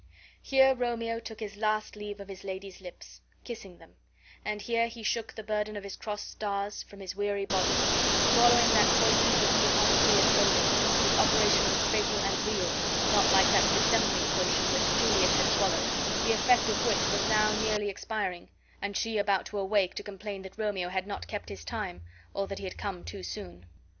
Here Romeo took his last leave of his lady's lips, kissing them; and here he shook the burden of his cross stars from his weary body, swallowing that poison which the apothecary had sold him, whose operation was fatal and real, not like that dissembling potion which Juliet had swallowed, the effect of which was now nearly expiring, and she about to awake to complain that Romeo had not kept his time, or that he had come too soon.